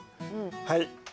はい。